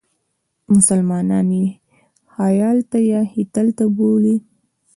مسلمانان یې هیاتله یا هیتل بولي.